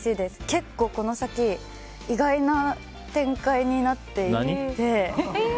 結構、この先意外な展開になっていって。